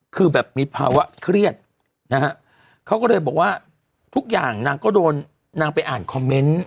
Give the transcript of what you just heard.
คือแบบมีภาวะเครียดนะฮะเขาก็เลยบอกว่าทุกอย่างนางก็โดนนางไปอ่านคอมเมนต์